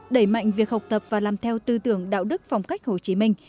đẩy mạnh việc học tập và làm theo tư tưởng đạo đức phong cách hồ chí minh